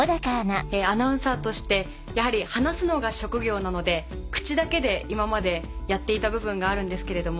アナウンサーとしてやはり話すのが職業なので口だけで今までやっていた部分があるんですけれども。